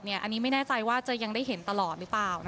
อันนี้ไม่แน่ใจว่าจะยังได้เห็นตลอดหรือเปล่า